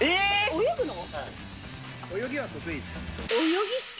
泳ぎは得意ですか？